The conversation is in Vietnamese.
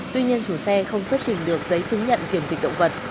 tuy nhiên chủ xe không xuất trình được giấy chứng nhận kiểm dịch động vật